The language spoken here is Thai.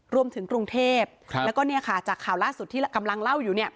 รวมถึงกรุงเทพแล้วก็เนี่ยค่ะจากข่าวล่าสุดที่กำลังเล่าอยู่เนี่ย